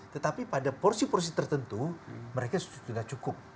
tetapi pada porsi porsi tertentu mereka sudah cukup